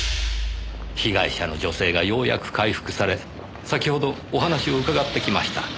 被害者の女性がようやく回復され先ほどお話を伺ってきました。